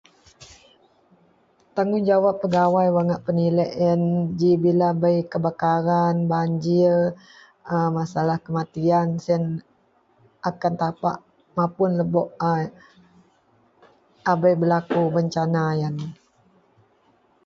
tanggungjawab pegawai wak ngak penilek ien ji bila bei kebakaran, banjir, a masalah kematian sien akan tapak mapun lebok a, a bei belaku bencana ien